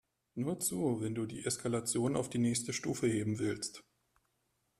Nur zu, wenn du die Eskalation auf die nächste Stufe heben willst.